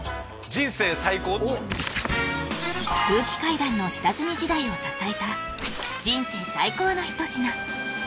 人生最高空気階段の下積み時代を支えた人生最高の一品